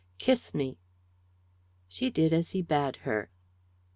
kiss me." She did as he bade her.